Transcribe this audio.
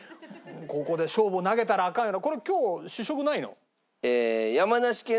ここで勝負を投げたらアカンやろ。